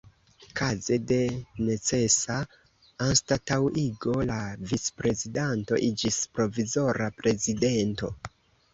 Kaze de necesa anstataŭigo la Vicprezidento iĝis Provizora Prezidento.